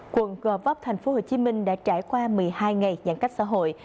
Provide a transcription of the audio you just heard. quận gò vấp tp hcm đã trải qua một mươi hai ngày giãn cách xã hội